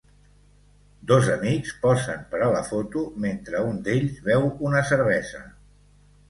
Dos amics posen per a la foto mentre un d'ells beu una cervesa.